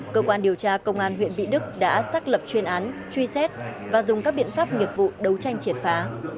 cơ quan điều tra công an huyện mỹ đức đã xác lập chuyên án truy xét và dùng các biện pháp nghiệp vụ đấu tranh triệt phá